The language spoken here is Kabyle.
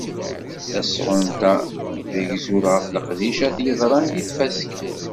Tasɣunt-a d agzul ɣef leqdicat yeḍran deg tfaska.